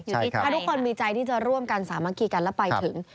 ถ้าทุกคนมีใจที่จะร่วมกันสามัคคีกันแล้วไปถึง